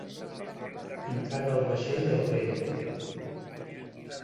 Encara el vaixell al vent.